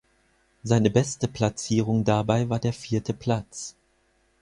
Seine beste Platzierung dabei war der vierte Platz.